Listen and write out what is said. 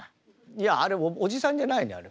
いやあれおじさんじゃないねあれ。